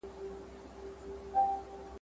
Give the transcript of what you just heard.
څوک یې نه لیدی پر مځکه چي دښمن وي .